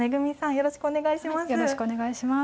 よろしくお願いします。